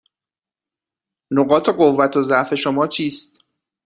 نقاط قوت و ضعف شما چیست؟